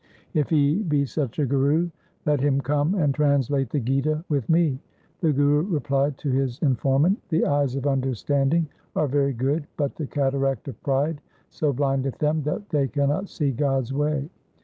If he be such a Guru, let him come and translate the Gita with me.' The Guru replied to his in formant, ' The eyes of understanding are very good, but the cataract of pride so blindeth them that they cannot see God's way.